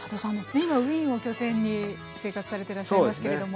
今ウィーンを拠点に生活されてらっしゃいますけれども。